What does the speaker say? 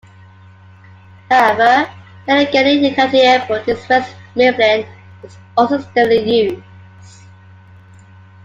However, the Allegheny County Airport in West Mifflin is also still in use.